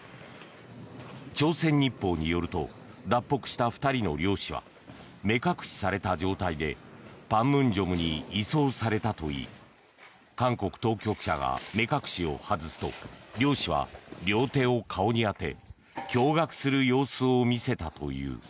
朝鮮日報によると脱北した２人の漁師は目隠しされた状態で板門店に移送されたといい韓国当局者が目隠しを外すと漁師は両手を顔に当て驚がくする様子を見せたという。